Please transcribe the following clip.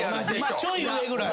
ちょい上ぐらい。